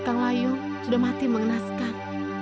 kang layu sudah mati mengenaskan